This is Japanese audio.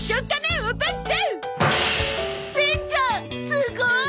すごーい！